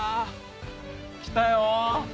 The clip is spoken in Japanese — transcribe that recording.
来たよ！